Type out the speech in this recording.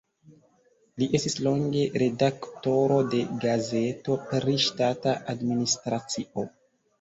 Li estis longe redaktoro de gazeto pri ŝtata adminisracio.